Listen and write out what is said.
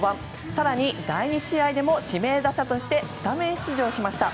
更に第２試合でも指名打者としてスタメン出場しました。